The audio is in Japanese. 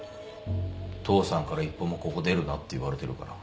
父さんから一歩もここ出るなって言われてるから。